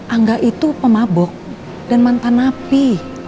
angga itu pemabok dan mantan napi